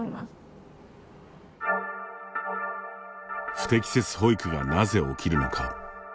不適切保育がなぜ起きるのか。